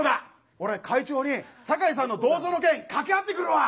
俺会長に酒井さんの銅像の件掛け合ってくるわ！